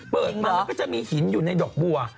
เปิดมามันก็จะมีหินอยู่ในดอกบัว